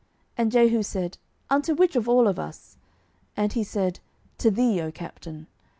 And Jehu said, Unto which of all us? And he said, To thee, O captain.